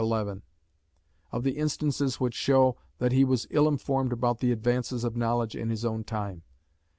511), of the instances which show that he was ill informed about the advances of knowledge in his own time.